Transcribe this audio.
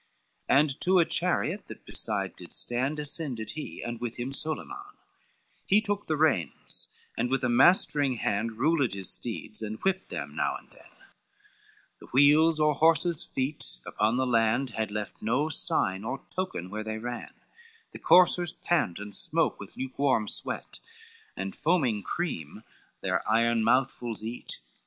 XV And to a chariot, that beside did stand, Ascended he, and with him Solyman, He took the reins, and with a mastering hand Ruled his steeds, and whipped them now and than, The wheels or horses' feet upon the land Had left no sign nor token where they ran, The coursers pant and smoke with lukewarm sweat And, foaming cream, their iron mouthfuls eat.